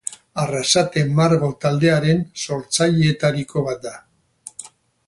Arrasate Margo Taldearen sortzaileetariko bat da.